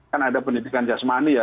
kan ada pendidikan jasmani ya